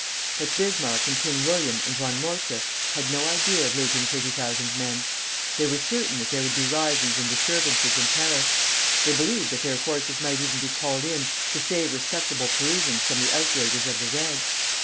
But Bismarck and King William and Von Moltke had no idea of losing thirty thousand men. They were certain that there would be risings and disturbances in Paris. They believed that their forces might even be called in to save respectable Parisians from the outrages of the Reds.